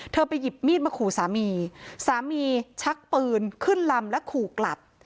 ไปหยิบมีดมาขู่สามีสามีชักปืนขึ้นลำและขู่กลับ